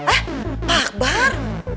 eh pak akbar